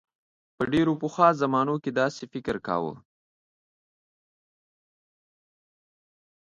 په ډیرو پخوا زمانو کې داسې فکر کاؤ.